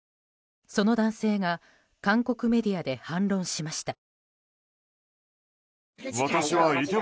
その男性が韓国メディアで反論しました。